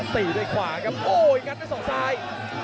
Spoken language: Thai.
ตีด้วยขวาครับโอ้ยยังกัดไว้สองซ้าย